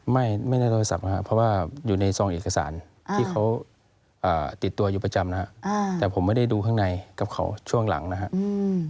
ไม่ได้โทรศัพท์นะครับเพราะว่าอยู่ในซองเอกสารที่เขาติดตัวอยู่ประจำนะครับแต่ผมไม่ได้ดูข้างในกับเขาช่วงหลังนะครับ